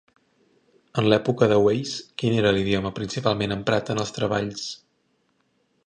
En l'època de Wace, quin era l'idioma principalment emprat en els treballs?